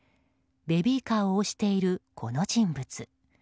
ベビーカーを押しているこの人物。